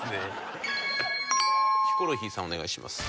ヒコロヒーさんお願いします。